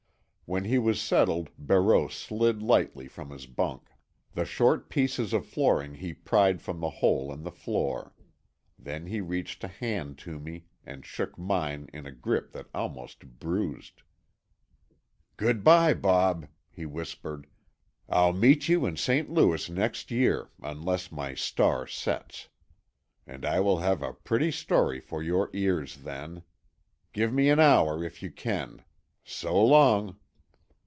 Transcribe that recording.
When he was settled Barreau slid lightly from his bunk. The short pieces of flooring he pried from the hole in the floor. Then he reached a hand to me and shook mine in a grip that almost bruised. "Good bye, Bob," he whispered. "I'll meet you in St. Louis next year, unless my star sets. And I will have a pretty story for your ears, then. Give me an hour, if you can. So long."